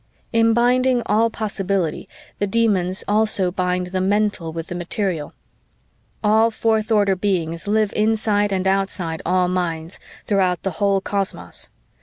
"In binding all possibility, the Demons also bind the mental with the material. All fourth order beings live inside and outside all minds, throughout the whole cosmos.